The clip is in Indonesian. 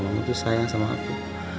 kalau mama tuh sayang sama aku